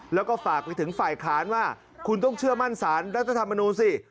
แล้วก็ฝากไปถึงฝ่ายค้านว่าคุณต้องเชื่อมั่นสารรัฐธรรมนูลสิ